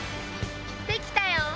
できたよ。